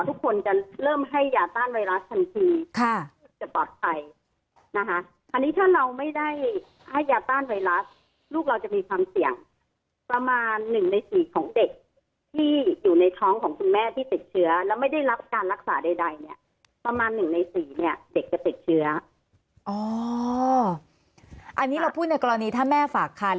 ถูกต้องสิ่งที่เป็นข้อผิดพลาดก็คือการไม่ฝากคัน